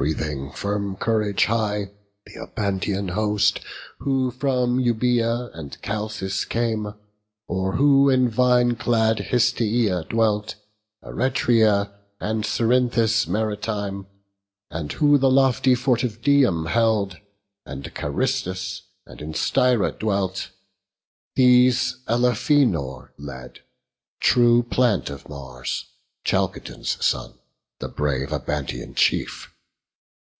Breathing firm courage high, th' Abantian host, Who from Euboea and from Chalcis came, Or who in vine clad Histiaea dwelt, Eretria, and Cerinthus maritime, And who the lofty fort of Dium held, And in Carystus and in Styra dwelt: These Elephenor led, true plant of Mars, Chalcodon's son, the brave Abantian chief.